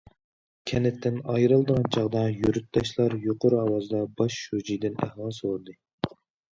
كەنتتىن ئايرىلىدىغان چاغدا، يۇرتداشلار يۇقىرى ئاۋازدا باش شۇجىدىن ئەھۋال سورىدى.